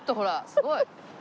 すごい。